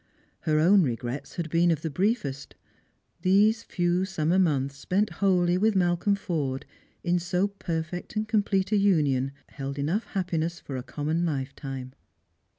Her own regrets had been of the briefest. These few summer months spent wholly with Malcolm Forde, in so perfect and complete a union, held enough happi ness for a common lifetime.